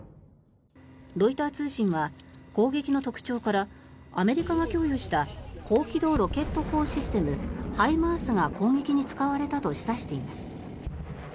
ロイター通信は攻撃の特徴からアメリカが供与した高機動ロケット砲システムＨＩＭＡＲＳが攻撃に使われたと示唆しています。